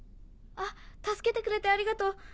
あ助けてくれてありがとう。